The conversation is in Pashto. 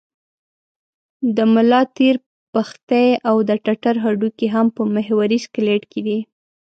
د ملا تیر، پښتۍ او د ټټر هډوکي هم په محوري سکلېټ کې دي.